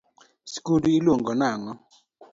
Sikundu iluongo nang’o?